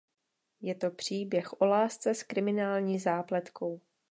Je to příběh o lásce s kriminální zápletkou.